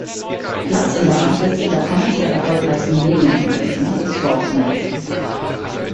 Platz in der Rangliste der kommerziell erfolgreichsten Medienunternehmer des Forbes Magazine.